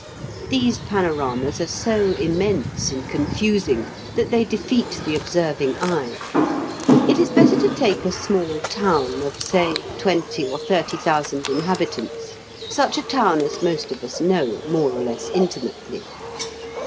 These panoramas are so immense and confusing that they defeat the observing eye. It is better to take a small town of, say, twenty or thirty thousand inhabitants such a town as most of us know, more or less intimately.